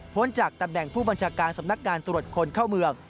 จากตำแหน่งผู้บัญชาการสำนักงานตรวจคนเข้าเมือง